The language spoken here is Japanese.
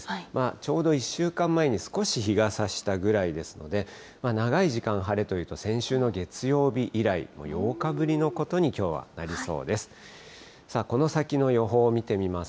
ちょうど１週間前に少し日がさしたぐらいですので、長い時間晴れというと、先週の月曜日以来の８日ぶりのことに、きょうはなりそうです。